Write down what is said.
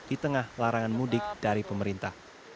di tengah larangan mudik dari pemerintah